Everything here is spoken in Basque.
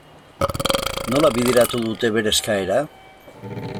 Nola bideratu dute bere eskaera?